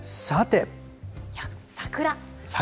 桜。